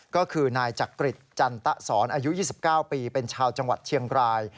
ก็คือนายจักริจจันตะสอนอายุ๒๙ปีเป็นชาวจังหวัดเชียงราย